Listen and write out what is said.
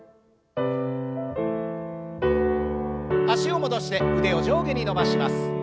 脚を戻して腕を上下に伸ばします。